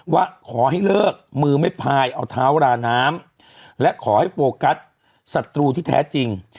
ว่าขอให้เลิกมือไม่พายเอาเท้าราน้ำและขอให้โฟกัสศัตรูที่แท้จริง